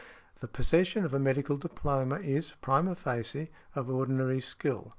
The possession of a medical diploma is prima facie of ordinary skill.